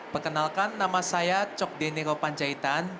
perkenalkan nama saya cok dene gopanjaitan